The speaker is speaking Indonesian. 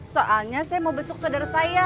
soalnya saya mau besuk saudara saya